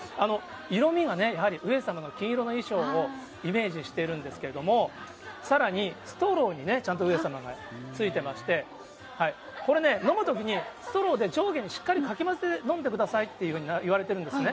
色味がね、やっぱり上様の黄色の衣装をイメージしてるんですけれども、さらにストローにね、ちゃんと上様がついてまして、これね、飲むときに、ストローで上下にしっかりかき混ぜて飲んでくださいって言われてるんですね。